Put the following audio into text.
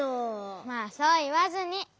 まあそういわずに。